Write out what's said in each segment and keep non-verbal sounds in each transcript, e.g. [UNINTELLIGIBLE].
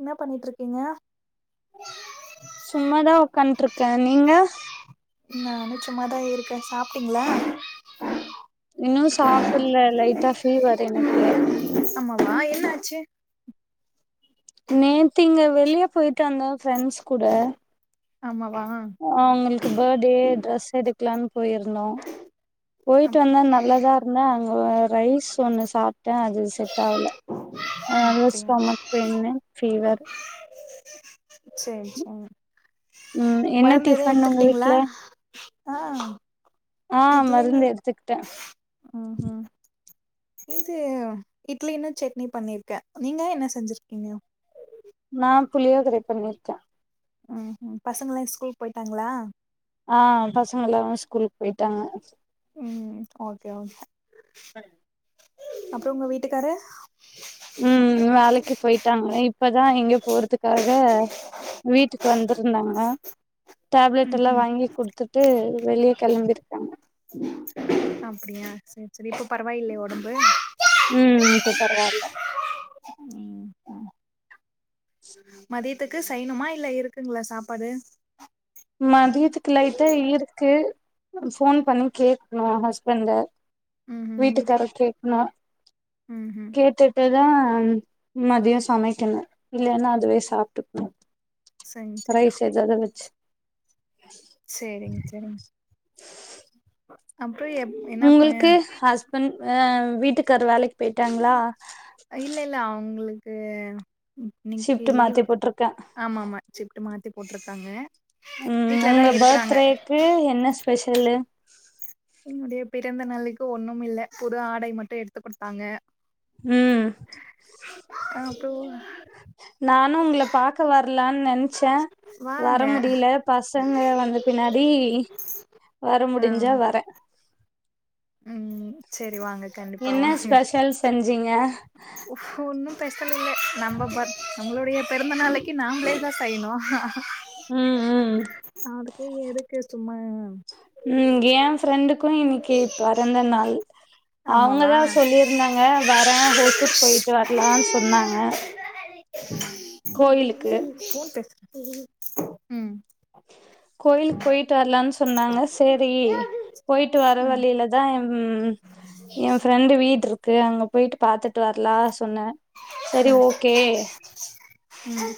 என்ன பண்ணிட்டுருக்கீங்க சும்மாதா உக்காந்ட்ருக் க்க நீங்க நானு சுப்மாதா இருக்க சாப்ட்டீங்களா இன்னு சாப்பிட்ல லைட்டா ஃபீவர் எனக்கு ஆமாவா என்னாச்சு நேத்து இங்க வெளியே போய்ட்டு வந்த ஃப்ரண்ட்ஸ் கூட ஆமா ஆ அவுங்களுக்கு பேடே ட்ரெஸ் எடுக்லான் போயிர்ந்தோ போயிட்டு அப் வந்தா நல்லதா இருந்த அங் க ரைஸ் ஒண்ணு சாப் ட்ட அது செட் ஆவ்ல அது அப்டியா ஸ்டொமெக் பெயினு ஃபீவர் சேர் சே ம் என்ன மருந்து எது டிஃபன் உங்க எடுத்துக்கிட்டீங்களா வீட்ல ஆ ஆ இட்லின்னு மருந்து எடுத்துக்ட்ட ம்ஹும் இது இட்லினு சட்னி பண்ணிருக்க நீங்க என்ன செஞ்சிருக்கீங்க நா புளியோதரை பண்ணிருக்க ம் ம் பசங்கல்லா ஸ்கூல் போயிட்டாங்களா ஆ பசங்க எல்லார்மே ஸ்கூலுக்கழ போய்ட்டாங்க ம் ஓகே ஓ அப்றோ உங்க வீட்டுக்காரு ம் ம் வேலைக்கி போயிட்டாங்க இப்பதா எங்யோ போறதுக்காக வீட்டுக்கு வந்துருந்தாங்க டேப்லெட்டெல்லா ம்ஹும் வாங்கி குடுத்துட்டு வெளிய கெளம்பிருக்காங்க அப்டியா சேர் சேரி இப்போ பரவாயில்லையா ஒடம்பு ம் இப்ப பரவாயில்ல மதியத் துக்கு செய்ணுமா இல்ல இருக்குங்ளா சாப்பாடு மதியத்துக்கு லைட்டா இருக்கு ஃபோன் பண்ணி கேக்ணு ஹஸ்பண்ட ம்ஹும் வீட்டுக்கார வீட்டுக்கு கேக்ணு ம்ஹும் கேட்டுட்டு தான் மதியொ சமைக்கணு இல்லன்னா அதுவே சாப்ட்டுப்போ செரி ரைஸ் எதாவ்து வச் சேரிங்க சேரிங் அப் உங்களுக்கு ஹஸ்பண் ஆ வீட்டுக்காரு வேலைக் போய்ட்டாங்களா கு இன்னக்கி லீவு போட்ருக்கே ஆமா ஆமா சிப்ட்டு மாத்தி போட்ருக்காங்க ம் உங்க பர்த்டேக்கு என்ன ஸ்பெஷல்லு என்னுடைய பிறந்தநாளைக்கு ஒண்ணுமில்ல புது ஆடை மட்டும் எடுத்து குடுத்தாங்க ம் அப்றோ நானும் உங்களை பாக்க வரலானு நினைச்சேன் வர வாங்க முடியல பசங்க வந்த பின்னாடி வர முடிஞ்சா வரேன் உம் சரி வாங்க கண்டிப்பா என்ன வாங்க ஸ்பெஷல் செஞ்சீங்க ஒன்னும் ஸ்பெஷல்லா நம்ம பர்த் நம்மளுடைய பிறந்தநாள் நாளைக்கு நாம்லேதா செய்னு ம் ம் அதுக்கே எதுக்கு சும்மா உம் இங்க ஏ ஃப்ரெண்டுக்கும் இன்னைக்கு பிறந்த நாள் ஆமாவா அவங்கதான் சொல்லியிருந்தாங்க வரேன் ஓசு போயிட்டு வரலாம்னு சொன்னாங்க கோயிலுக்கு போன் பேச உம் கோயிலுக்கு போயிட்டு வரலாம்னு சொன்னாங்க சரி போயிட்டு வர ம் வழியிலதா உம் என்ம் ஃப்ரெண்ட் வீடு இருக் க்கு அங்க போயிட்டு பாத்துட்டு வரலாம் சொன்னேன் சரி ஓகே ம்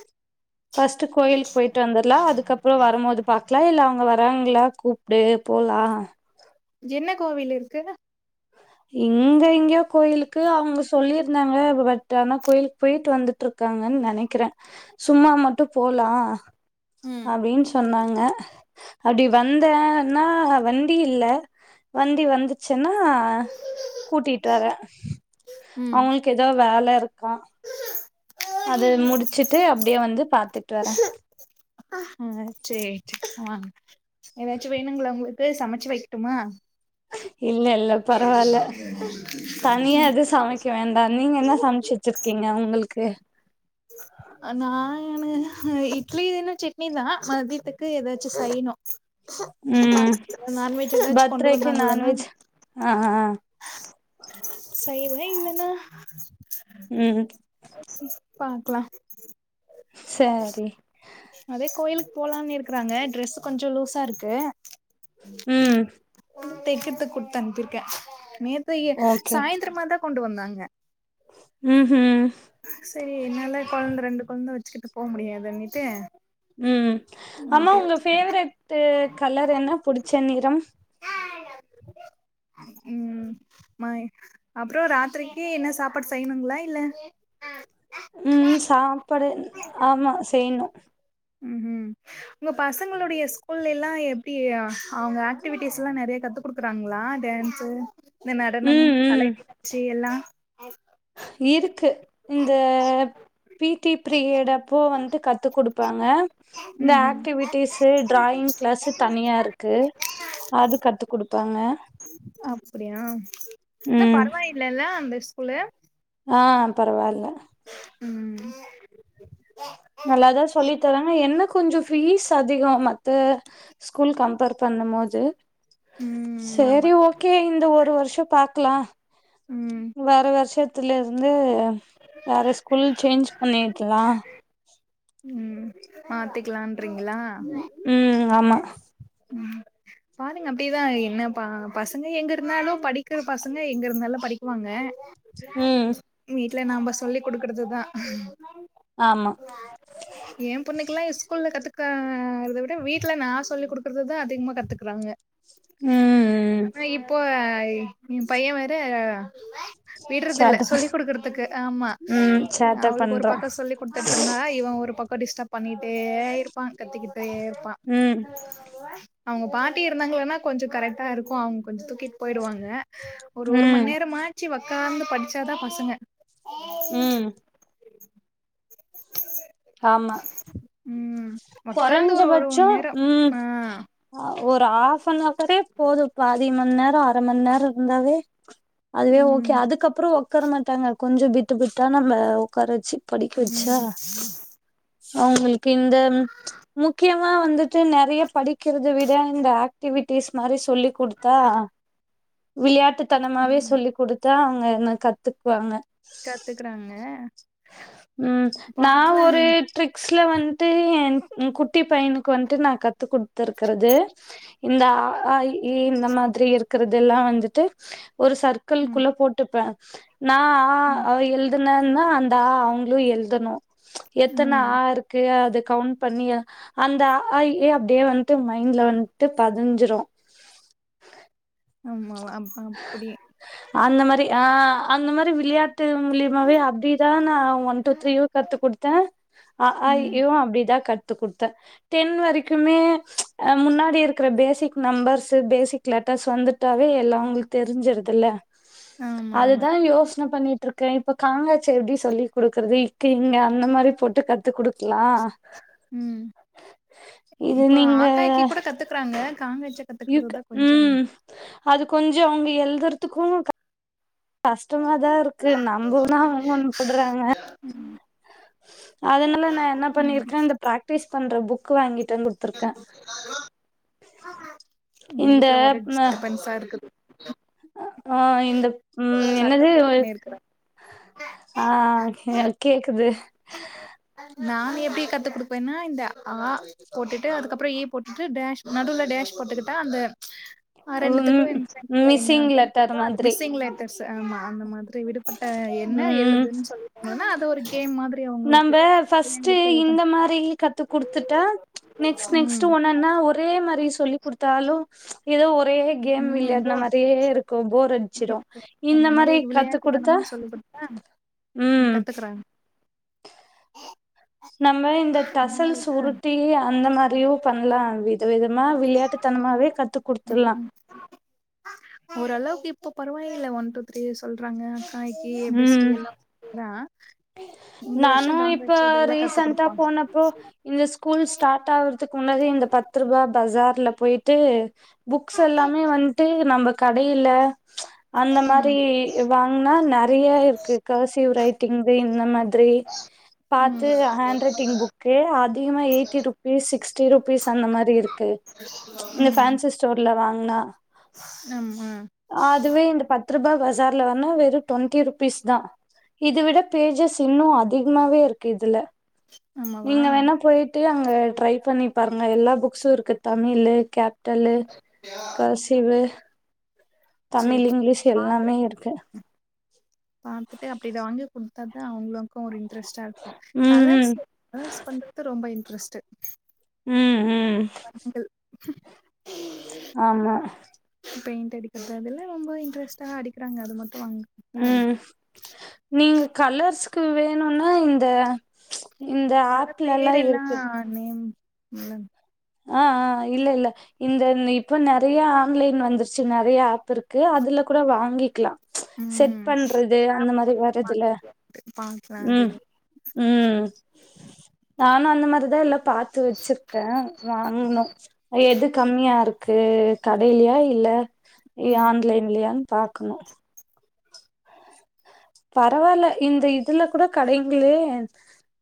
பஸ்ட் கோயிலுக்கு போயிட்டு வந்துடலாம் அதுக்கப்புறம் அப்பு வரும் போது பாக்கலாம் இல்ல அவங்க வறாங்களா கூப்பிடு போலாம் என்ன கோவில் இருக்கு இங்க இங்கயோ கோயிலுக்கு அவங்க சொல்லியிருந்தாங்க பட் ஆனா கோயிலுக்கு போயிட்டு வந்துட்டு இருக் இருக்காங்கன்னு நினைக்கிறேன் சும்மா மட்டும் போலாம் ம் அப்படின்னு சொன்னாங்க அடி வந்தேன்னா வண்டி இல்ல வண்டி வந்துச்சே ன்னா கூட்டிட்டு வறே ம் அவங்களுக்கு ஏத வேலை இருக்கா அது முடிச்சுட்டு அப்படியே வந்து பாத்து பாத்துட்டு வர ஆஹ் சரி சரி ஏதாச்சும் வேணுங்களா உங்களுக்கு சமைச்சு வைக்கட்டுமா இல்ல இல்ல பரவாயில்ல தனியா எதுவும் சமைக்க வேண்டாம் நீங்க என்ன சமைச்சிச்சிருக்கீங்க உங்களுக்கு நான்னு ஹ இட்லின்னு சட்னிதா மதியத்துக்கு ஏதாச்சும் செய்யணும் உம் கொண்டு பர்த்டேக்கு நான் வெஜ் ஆஹ்ஹ் சைவ இல்லைன்னா உம் பாக்லா சரி அதே கோயிலுக் போலானிருக்றாங்க டிரெஸ்ஸு கொஞ்சொ லூஸாருக்கு உம் தைக்கத்து குடுத்தனிப்பிர்க்கே நேத் தியி சாயந்ரமா தா கொண்டு வந்தாங் க ம்ஹூம் செரி என்னால கொழந்த ரெண்டு கொழந்த வச்சுக்கிட்டு போக முடியாதுன்னிட்டு உம் அமா உங்க ஃபேவெரெட்டு கலர் என்ன புடிச்ச நிறம் உம் மாய் அப்றொ ராத்ரிக்கு என்ன சாப்பாடு செய்ணுங்ளா இல்ல உம் சாப்பாடு ஆமா செய்ணு ம்ஹும் உங்க பசங்களுடைய ஸ்கூல்லைல்லா எப்டி அவங்க ஆக்டிவிட்டிஸ்ஸுலா நெறையா கத்து குடுக்குறாங்ளா டேன்ஸு உம் உம் இருக்கு இந்த பீட்டி ப்ரியட் அப்போ வந்ட்டு கத்து குடுப்பாங்க ஆ இந்த ம் ம் ஆக்டிவிடீஸ்ஸு ட்ராயிங் கிளாஸு தனியா இருக்கு அது கத்து குடுப்பாங்க அப்டியா த ம் பரவாயில்லல்ல அந்தஸ் குலூ ஆஹ் பரவாயில்ல உம் நல்லாதா சொல்லி தராங்க என்ன கொஞ்சொ ஃபீஸ் அதிகொ மத்த ஸ்கூல் கம்பேர் பண்ணும் போது ம் ஆமா செரி ஓகே இந்த ஒரு வருஷொ பாக்லா ம் வேற வருஷத் த்துல இருந்து வேற ஸ்கூல் சேஞ்ச் பண்ணிட்லா உம் மாத்திக்லான் றிங்களா ம் ஆமா பாருங்க அப்டீதா என்னப்பா பசங்க எங்க இருந்தாலு படிக்கிற பசங்க எங்க இருந்தாலு படிக்குவாங்க ம் மீட் ட்ல நம்ப சொல்லி குடுக்றது தா ஆமா. ஏ பொண்ணுக்குலா ஸ்கூல்ல கத்துக் கா றுத விட வீட்ல நா சொல்லி குடுக் குறதுதா அதிகமா கத்துக்றாங்க ம் ம் ஆனா இப்போ ஏ பைய வேற விடுறது இல்ல சேட்ட ப சொல்லி் கொடுக்குறதுக்கு ஆமா ம் சேட்ட அவளுக்கு ஒரு பண்றா. பக்கம் சொல்லி் கொடுத்துட்டு இருந்தா இவ ஒரு ப டிஸ்டர்ப் பண்ணிட்டே இருப்பான் கத்திக்கிட்டயே இருப்பா ம் அவுங்க பாட்டி இருந்தாங்கன்னா கொஞ்ச கரெக்டா இருக்கு அவங்க கொஞ்ச தூக்கிட்டு போயிடுவாங்க ஒரு ஒரு மணி ம் நேரம் மாச்சி வ உட்கார்ந்து படிச்சாதா பசங்க உம் ஆமா ம் ஒக்காந்து கொறஞ்ச ஒரு ஒரு பச்சோ மண் நேரோ ம் ஆ ஒரு ஹாஃப் அனவரே போது பாதிமன்னேரோ அரமன்னேர இர்ந்தாவே அதுவே ஓகே ம் அதுக்கப்றோ ஒக் உக்கார மாட்டாங்க கொஞ்ச பிட்டுபிட்டா நம்ம உக்காரச்சி படிக்க வச்சா ம் அவுங்களுக்கு இந்த ம் ச் முக்கியமா வந்துட்டு நெறைய படிக்கிறத விட இந்த ஆக்டிவிட்டிஸ் மாரி சொல்லி் கொடுத்தா விளையாட்டு தனமாவே சொல்லிக் குடுத் தா அங்க ன்ன கத்துக்வாங்க கத்துக்குறாங்க பாக்லான் ஸ்ல வன்டு என் உ குட்டி பையனுக்கு வன்ட்டு நா கத்து குட்த்ருக்குறது இந்த ஆ ஆய் ந்த மாத்ரி இருக்கறது எல்லா வந்துட்டு ஒரு சர்க்குள் ம் குள்ள போட்டுப்ப நா ஆ ம் அவ எல்த் [UNINTELLIGIBLE] அந்த ஆ அவ்ங்களு எழுதணு எத்தன ம் ஆருக்கு அது கவுண் பண்ணி அந்த ஆ அப்டியே வன்ட்டு மைண்ட்ல வன்ட்டு பதுஞ்சுரு ஆமாவா அப்ப அப்பிடி அந்த மாரி ஆ அந்த மாரி விளையாட் ட்டு மூலியமாவே அப்டிதா நா ஒன் டூ த்ரீயு கத்து குடுத்தே அ ஆ இ ம் ஈயு அப்டிதா க த்து குட்த்த டென் வரைக்குமே ச் முன்னாடி இருக்குற பேசிக் நம்பர்ஸு பேசிக் லெட்டர்ஸ் வந்து தாவே எல்லா அவ்ங்களுக் தெரிஞ்சுருதுல்ல ஆமா ஆமா ன்ன பண்ணிட்ருக்கே இப்ப காங்காட்சு எப்டி சொல்லி் குடுக்குறது இக்கு இங்கு அந்த மாரி போட்டு கத்து குடுக்லா ம் இப்ப ஆக்காய்க்கி கூட கத்துக்குறாங்க காங்கச்ச யூக் கத்துக்கறதுதா கொஞ்சோ ம் அது கொஞ் ஞ்சு அவ்ங்க எழ்துறத்துக்கு கஷ்டமாதா இருக்கு நம்ப ஒன்னு அவ்ங்க சொல்றாங்க அதனால நா என்ன ம் பண்ணிருக்க இந்த ப்ராக்டிஸ் பண் ன்ற புக்கு வாங்கிட் [UNINTELLIGIBLE] குட்த்துருக்க எங்க வீட்ல ஒரே டிஸ்டபன்ஸாருக்குது [INAUDIBLE] அ ஆ இந்த ம் சத்த என்னது போட்டுக்குனே இருக்குறா ஆ ஓகே கேக்குது நா எப்டி கத்து குடுக்குவேன்னா இந்த ஆ போட்டுட்டு அதுக்கப்றோ ஏ போட்டுட்டு டேஷ் நடுல டேஷ் போட்டுக்கிட்டா அந்த ஆஹ் ரெண்டுத்துக்கும் ம் எம் ஸண்ட்ள என்ன மிஸ்ஸிங் லெட்டர் வந்துருக்கோ அது மாதிரி மிஸ்ஸிங் லெட்டர்ஸ் த ஆமா அந்த மாதிரி விடுபட்ட என்ன ம் எலுதுன்னு சொல்னோன்னா அது ஒரு கேம் மாதிரி அவங்களுக்கு நம்ப ஃபர்ஸ்ட்டு பிள்ளைங்களுக்கு. இந்த மாரி குடுத்துட்டா நெக்ஸ்ட் நெக்ஸ்ட் ம் ஒனன்னா ஒரே மாரி சொல்லிக் குடுத் த்தாலு ஏதோ ஒரு ஒரே கேம் ம் போ விளையாட்ன மாரியே இருக்கும் போர் அடிச்சிரு இந்த மாரி கத் டுத்தனமா சொல்லிக் குடுத்தா ம் கத்துக்குறாங்க [INAUDIBLE] நம்ம இந்த அந்த தசல் மாரிதா சுருட்டி அந்த மாத் தியோ பண்லா வீட் வித விதமா விளையாட்டுத்தனமாவே கத்து குடுத்துல்லா இப்ப பரவாயில்ல ஒன் டூ த்ரீ சொல்றாங்க ஆயக்கி பெஸ்டி எல்லா ஒன்னுதா நானும் இப்ப அதெல்லா கத்து ரீசென்டா குடுப்பாங்க போனப்போ இந்த ஸ்கூல் ஸ்டார்ட் ஆகுறதுக்கு முன்னரே இந்த பத்ரூபா பஸார் ல போயிட்டு புக்ஸ் எல்லாமே வன்ட்டு நம்ம கடையில அந்த மாரி ம் வாங்கனா நெறைய இருக்கு கர்சிவ் ரைட்டிங் இந்த மாதிரி பாத்து ம் ஹேண்ட் ரைட்டிங் புக்கு அதிகமா எயிட்டி ருப்பீஸ் சிக்ஸ்ட்டி ருப்பீஸ் அந்த மாரி இருக்கு இந்த ம் பேன்சி ஸ்டோர்ல ங்க வாங்கனா ஆமா அதுவே இந்த பத்ரூபா காசு ஜார்ல வாங்குனா வெறு டுவெண்டி ருபீஸ் தா இது விட டேஜஸ் இன்னு அதிகமாவே இருக்கு இதுல ஆமாவா நீங்க வேணா போயிட் டு அங்க ட்ரை பண்ணி பாருங்க எல்லா புக்ஸு இருக்கு தமிழு கேப் டல்லு கர்சீவு சேரி தமிழ் இங்லீஷ் பாக்குறே எல்லாமே இருக்கு [INAUDIBLE] பாத்துட்டு அப்டி இத வாங்கி குடுத்தா தா அவுங்களுக்கு ஒரு இன் ட்ரெஸ்ட்டா இர்க்கு ம் ம் கலர்ஸு கலர்ஸ் பண்றது ரொம்ப இன் ட்ரெஸ்ட்டு உம் உம் உம் ஆமா பெயிண்ட் அடிக்கறது அதுல ரொம்ப இன்ட்ரஸ்ட்டா அடிக்கறாங்க அது ம உம் நீங்க கலர்ஸ் கு வேணுன்னா இந்த இந்த [INAUDIBLE] பேர் ஆப்லல்லா எல்லா இருக்கு நேம் [INAUDIBLE] ஆஹ் ஆஹ் இல்ல இல்ல இந்த இந் இப்ப நெறயா ஆன்லைன் வந்துருச்சு நெறயா ஆப் இருக்கு அதுல கூட வாங்கிக்கலா செட் ம் பண்றது ஆப் அந்த மாரி மூலியமா வருதுல்ல வாங்கிக்க பாக்கலா உம் அதுல உம் நானு அந்த மாரி தா எல்லா பாத்து வச்சிருக்கே வாங்கனு எதுக் கம்மியா இருக்கு கடைலயா இல்ல இல்ல ம் ஆன்லைன்லயான் பாக்கணு பரவால்ல இந்த இதுல கூட கடைங்ளேன்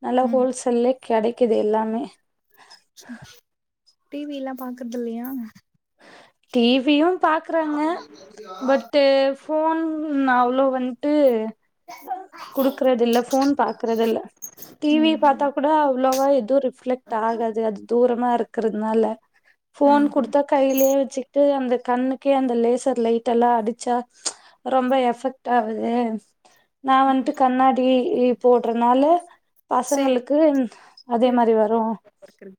நல்லா ம் ஹோல்சேல்லே கெடைக்குது எல்லாமே டி வி எல்லா பாக்கற்தில்லயா டி வி யு பாக்றாங்க பட்டு ஃபோன் நா அவ்ளோ வந்ட்டு குடுக்கறதில்ல ஃபோன் பாக்கறதில்ல டி வி ம் பாத்தா கூட அவ் ளோவா எது ரி ஃப்லெக்ட் ஆகாது அது தூரமா இருக்கறதுனால ஃபோன் ம் குடு ம் த்த கைலே வச்சிகிட்டு அந்த கண்ணுக்கே அந்த லேசர் லைட் எல்லா அடிச்சா ப்ச் ரொம்ப எஃபெக்ட் ஆகுது நா வண்ட்டு கண்ணாடி லீவ் போடுறனால சேரி பசங்களுக்கு அதே இருங்க மாரி வரு இருங்க